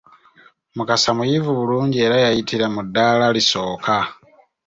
Mukasa muyivu bulungi era yayitira mu ddaala lisooka.